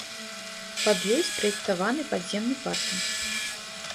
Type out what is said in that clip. Пад ёй спраектаваны падземны паркінг.